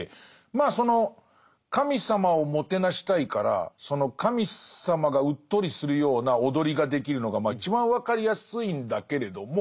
まあその神様をもてなしたいからその神様がうっとりするような踊りができるのがまあ一番分かりやすいんだけれども